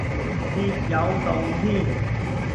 別有洞天